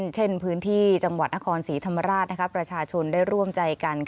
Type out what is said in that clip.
เช่นพื้นที่จังหวัดนครศรีธรรมราชประชาชนได้ร่วมใจกัน